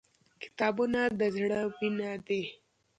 • کتابونه د زړه وینې دي.